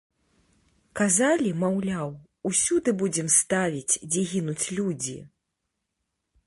Казалі, маўляў, усюды будзем ставіць, дзе гінуць людзі?